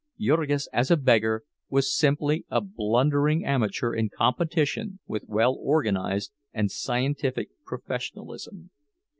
Jurgis, as a beggar, was simply a blundering amateur in competition with organized and scientific professionalism.